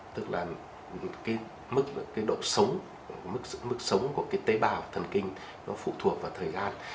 tức là mức độ sống của tế bào thần kinh nó phụ thuộc vào thời gian